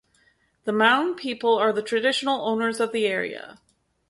The Maung people are the traditional owners of the area.